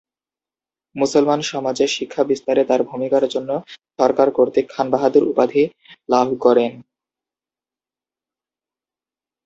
মুসলমান সমাজে শিক্ষা বিস্তারে তার ভূমিকার জন্য সরকার কর্তৃক "খান বাহাদুর" উপাধি লাভ করেন।